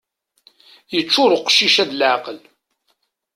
Yeččur uqcic-a d leɛqel.